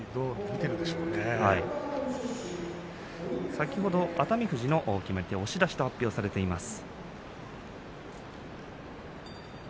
先ほどの熱海富士の決まり手押し出しと発表されています。